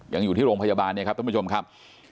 ยังอยู่ที่โรงพยาบาลเนี่ยครับท่านผู้ชมครับ